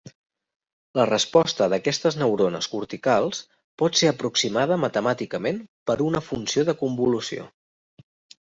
La resposta d'aquestes neurones corticals pot ser aproximada matemàticament per una funció de convolució.